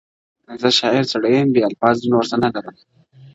زه شاعر سړی یم بې الفاظو نور څه نلرم,